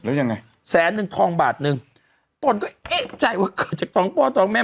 แล้วยังไงแสนนึงทองบาทนึงตนก็เอ๊ะใจว่าเกิดจากสองพ่อตองแม่